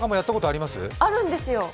あるんですよ。